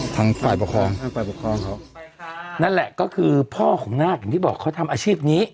ทางฝ่ายปกครองทางฝ่ายปกครองเขานั่นแหละก็คือพ่อของนาคอย่างที่บอกเขาทำอาชีพนี้